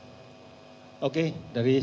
ini sudah keluar tapi sudah